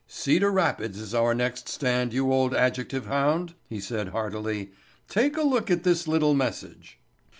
"Cedar Rapids is our next stand, you old adjective hound," he said heartily. "Take a look at this little message."